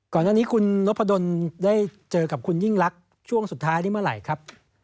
ก่อนหน้านี้คุณนพดลได้เจอกับคุณยิ่งลักษณ์ช่วงสุดท้ายได้เมื่อไหร่ครับ